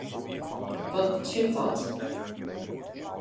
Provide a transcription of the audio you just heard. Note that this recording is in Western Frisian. Wat betsjut dat?